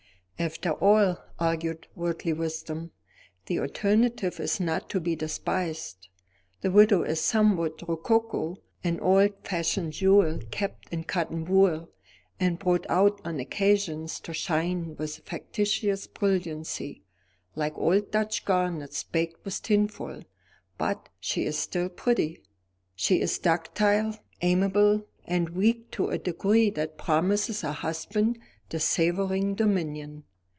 "After all," argued Worldly Wisdom, "the alternative is not to be despised. The widow is somewhat rococo; an old fashioned jewel kept in cotton wool, and brought out on occasions to shine with a factitious brilliancy, like old Dutch garnets backed with tinfoil; but she is still pretty. She is ductile, amiable, and weak to a degree that promises a husband the sovereign dominion.